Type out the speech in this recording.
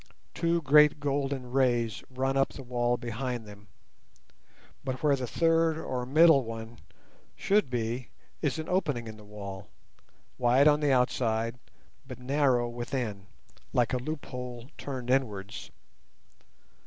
Two great golden rays run up the wall behind them, but where the third or middle one should be is an opening in the wall, wide on the outside, but narrow within, like a loophole turned inwards.